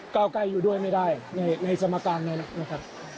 เก้าไกลอยู่ด้วยไม่ได้ในสมการนั้นนะครับ